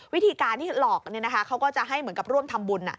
วิธีการที่หลอกเขาก็จะให้เหมือนกับร่วมทำบุญ